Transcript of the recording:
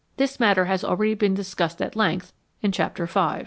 This matter has already been discussed at length in Chapter V.